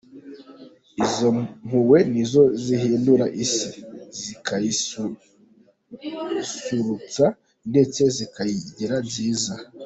Izo mpuhwe nizo zihindura isi, zikayisusurutsa ndetse zikayigira nziza.